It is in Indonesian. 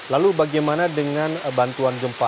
lalu bagaimana dengan bantuan gempa